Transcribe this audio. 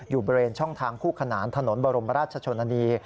อยู่บริเวณช่องทางคู่ขนานถนนบรมราชชนนานี